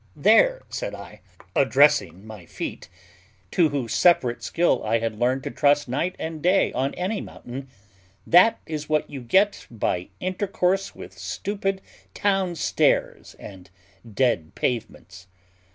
"There," said I, addressing my feet, to whose separate skill I had learned to trust night and day on any mountain, "that is what you get by intercourse with stupid town stairs, and dead pavements."